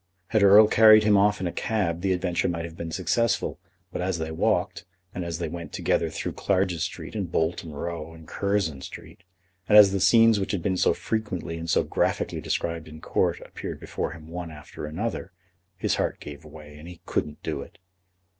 Had Erle carried him off in a cab the adventure might have been successful; but as they walked, and as they went together through Clarges Street and Bolton Row and Curzon Street, and as the scenes which had been so frequently and so graphically described in Court appeared before him one after another, his heart gave way, and he couldn't do it.